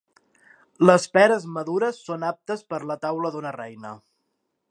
Les peres madures són aptes per a la taula d'una reina.